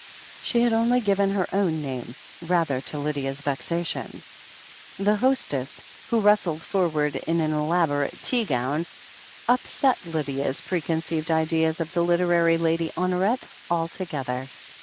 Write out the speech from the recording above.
She had only given her own name, rather to Lydia's vexation. The hostess, who rustled forward in an elaborate tea THE HEEL OF ACHILLES 217 gown, upset Lydia's preconceived ideas of the literary Lady Honoret altogether.